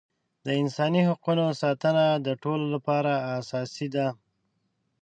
د انساني حقونو ساتنه د ټولو لپاره اساسي ده.